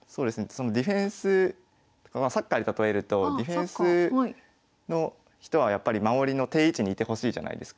そのディフェンスサッカーに例えるとディフェンスの人は守りの定位置にいてほしいじゃないですか。